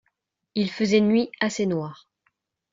Il faisait nuit assez noire.